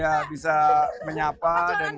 ya bisa menyapa dan